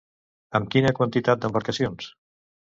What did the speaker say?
Amb quina quantitat d'embarcacions?